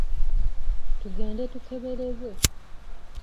Tugende tukeberebwe